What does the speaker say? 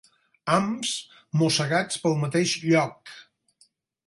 Hams mossegats pel mateix lloc.